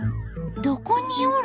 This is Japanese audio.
どこにおる？